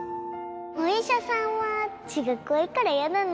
お医者さんは血が怖いから嫌だな